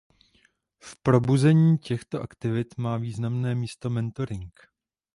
V povzbuzení těchto aktivit má významné místo mentoring.